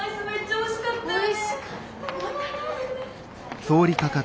・おいしかったよね。